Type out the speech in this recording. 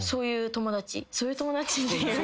そういう友達？